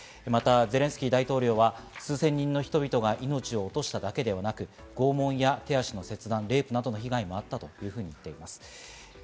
また、ゼレンスキー大統領は数千人の人々が命を落としただけではなく、拷問や手足の切断、レイプなどの被害もあったと言っています。